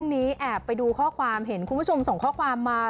นี้แอบไปดูข้อความเห็นคุณผู้ชมส่งข้อความมา